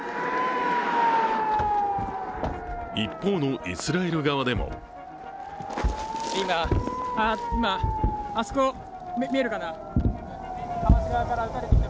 一方のイスラエル側でも今あそこ見えるかな。